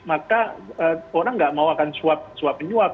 maka orang nggak mau akan suap suap penyuap